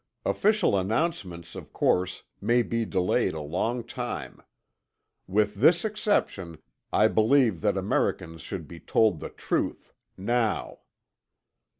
Official announcements, of course, may be delayed a long time. With this exception, I believe that Americans should be told the truth, now.